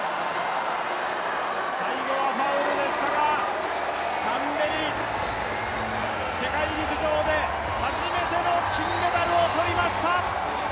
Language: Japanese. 最後はファウルでしたが、タンベリ、世界陸上で初めての金メダルを取りました！